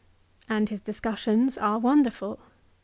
And his discussions are wonderful.